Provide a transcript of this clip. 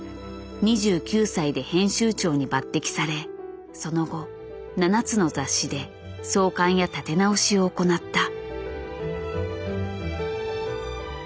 ２９歳で編集長に抜てきされその後７つの雑誌で創刊や立て直しを行った。